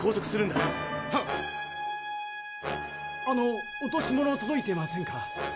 あの落とし物届いてませんか？